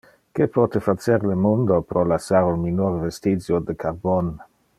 Que pote facer le mundo pro lassar un minor vestigio de carbon?